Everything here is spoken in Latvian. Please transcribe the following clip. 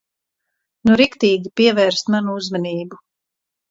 Nu riktīgi pievērst manu uzmanību.